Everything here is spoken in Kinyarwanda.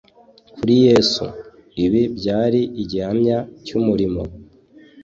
Kuri Yesu, ibi byari igihamya cy'umurimo